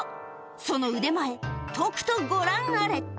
その腕前、とくとご覧あれ。